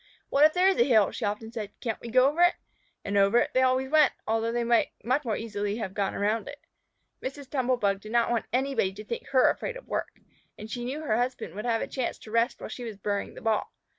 "What if there is a hill?" she often said. "Can't we go over it?" And over it they always went, although they might much more easily have gone around it. Mrs. Tumble bug did not want anybody to think her afraid of work, and she knew her husband would have a chance to rest while she was burying the ball.